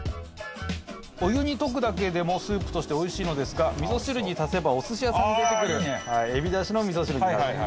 お湯に溶くだけでもスープとしておいしいのですが味噌汁に足せばお寿司屋さんで出てくるえびダシの味噌汁になると。